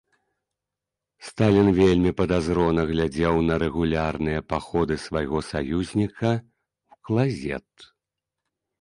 Сталін вельмі падазрона глядзеў на рэгулярныя паходы свайго саюзніка ў клазет.